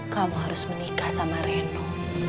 kamu harus menikah sama reno